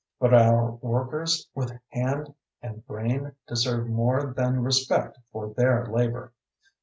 But our workers with hand and brain deserve more than respect for their labor.